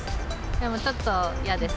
でもちょっと嫌です。